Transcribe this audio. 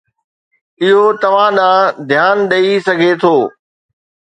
اهو توهان ڏانهن ڌيان ڏئي سگهي ٿو.